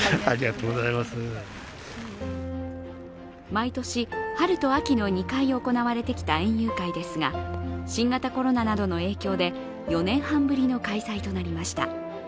毎年、春と秋の２回行われてきた園遊会ですが新型コロナなどの影響で４年半ぶりの開催となりました。